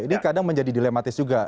ini kadang menjadi dilematis juga